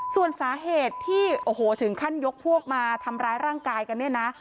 ส่วนสาเหตุที่โอ้โหถึงขั้นยกพวกมาทำร้ายร่างกายกันเนี่ยนะ